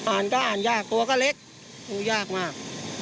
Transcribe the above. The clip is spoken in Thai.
อ่านก็อ่านยากตัวก็เล็กดูยากมาก